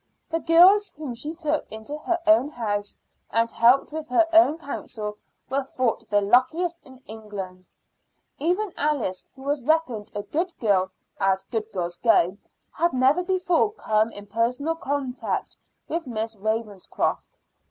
The girls whom she took into her own house and helped with her own counsel were thought the luckiest in England. Even Alice, who was reckoned a good girl as good girls go, had never before come in personal contact with Miss Ravenscroft.